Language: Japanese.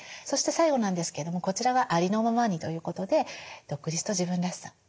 そして最後なんですけどもこちらは「ありのままに」ということで独立と自分らしさ。